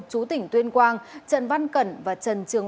chú tỉnh tuyên quang trần văn cẩn và trần trường